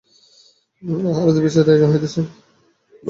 আহারাদির বিস্তৃত আয়োজন হইতেছে।